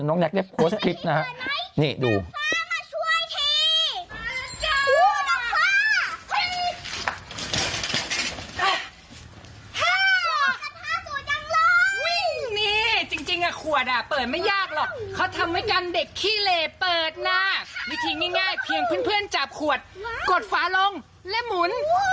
น้องแน็กได้โพสต์คลิปนะครับนี่ดู